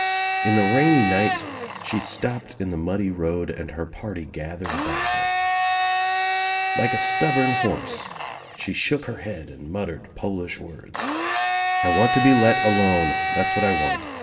In the rainy night she stopped in the muddy road and her party gathered about her. Like a stubborn horse she shook her head and muttered Polish words. "I want to be let alone, that's what I want.